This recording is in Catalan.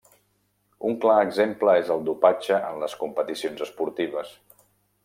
Un clar exemple és el dopatge en les competicions esportives.